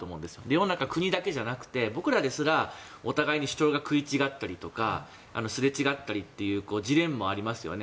世の中、国だけじゃなくて僕らですらお互いに主張が食い違ったりとかすれ違ったりというジレンマはありますよね。